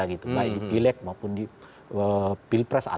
baik di pileg maupun di pilpres